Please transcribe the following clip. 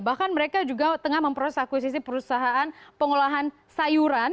bahkan mereka juga tengah memprosesi perusahaan pengolahan sayuran